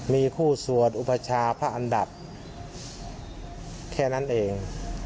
มีคู่สวดอุปชาพระอันดับแค่นั้นเอง